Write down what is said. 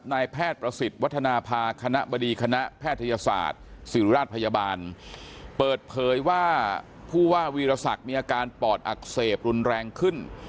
นายแพทย์ประสิทธิ์วัฒนภาคณะบดีคณะแพทยศาสตร์ศิริราชพยาบาลเปิดเผยว่าผู้ว่าวีรศักดิ์มีอาการปอดอักเสบรุนแรงขึ้น